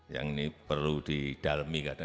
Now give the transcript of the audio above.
yang ini perlu didalami